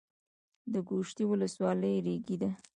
د ګوشتې ولسوالۍ ریګي ده